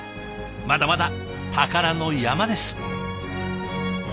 まだまだ宝の山です。